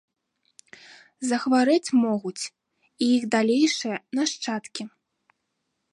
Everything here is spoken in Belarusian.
Захварэць могуць і іх далейшыя нашчадкі.